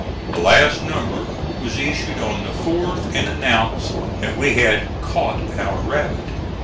The last number was issued on the fourth and announced that we had "caught our rabbit."